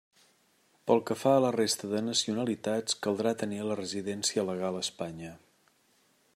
Pel que fa a la resta de nacionalitats caldrà tenir la residència legal a Espanya.